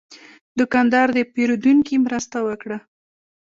دوکاندار د پیرودونکي مرسته وکړه.